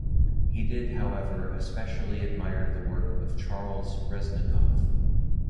He did, however, especially admire the work of Charles Reznikoff.